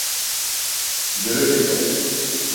Дөрөҫ әйтә.